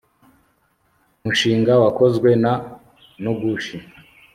mushinga wakozwe na nogushi